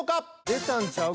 出たんちゃう？